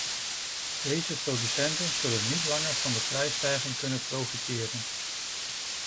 Deze producenten zullen niet langer van de prijsstijging kunnen profiteren.